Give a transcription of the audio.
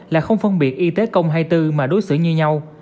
là không phân biệt y tế công hay tư mà đối xử như nhau